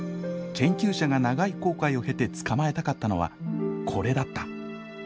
研究者が長い航海を経て捕まえたかったのはこれだった。